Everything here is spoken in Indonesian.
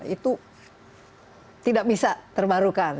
itu tidak bisa terbarukan